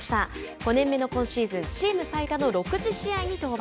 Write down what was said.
５年目の今シーズンチーム最多の６０試合に登板。